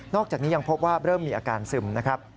อกจากนี้ยังพบว่าเริ่มมีอาการซึมนะครับ